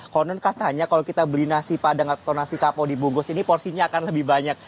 kalau nenekah tanya kalau kita beli nasi padang atau nasi kapau dibungkus ini porsinya akan lebih banyak